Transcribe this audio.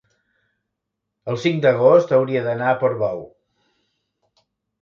el cinc d'agost hauria d'anar a Portbou.